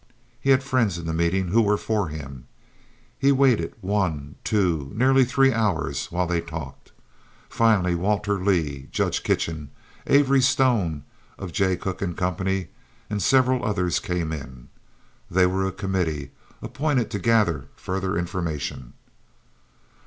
He had friends in the meeting who were for him. He waited one, two, nearly three hours while they talked. Finally Walter Leigh, Judge Kitchen, Avery Stone, of Jay Cooke & Co., and several others came in. They were a committee appointed to gather further information.